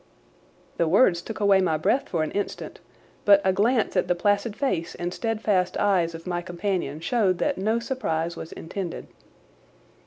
The words took away my breath for an instant but a glance at the placid face and steadfast eyes of my companion showed that no surprise was intended.